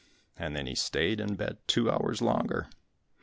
And then he stayed in bed two hours longer.